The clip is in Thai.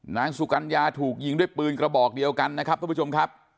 นางสุกัญญาถูกยิงด้วยปืนกระบอกเดียวกันนะครับทุกผู้ชมครับ